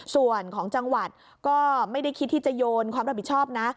ส่วนของจังหวัดก็ไม่ได้คิดที่จะโยนความรับผิดชอบนะ